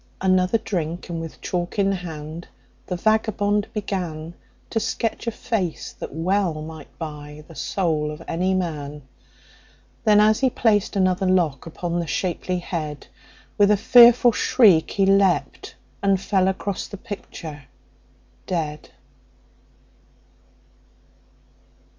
Another drink, and with chalk in hand, the vagabond began To sketch a face that well might buy the soul of any man. Then, as he placed another lock upon the shapely head, With a fearful shriek, he leaped and fell across the picture dead.